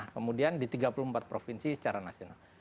kemudian di tiga puluh empat provinsi secara nasional